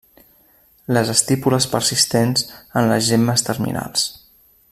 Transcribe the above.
Les estípules persistents en les gemmes terminals.